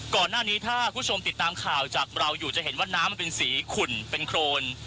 ก่อนหน้านี้ถ้าคุณผู้ชมติดตามข่าวจากเราอยู่จะเห็นว่าน้ำมันเป็นสีขุ่นเป็นโครน